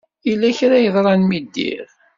Yella kra ay yeḍran mi ddiɣ?